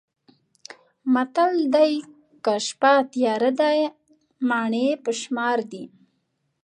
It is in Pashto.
متل دی: که شپه تیاره ده مڼې په شمار دي.